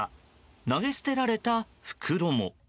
投げ捨てられた袋も。